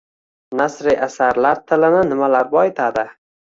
Nasriy asarlar tilini nimalar boyitadi.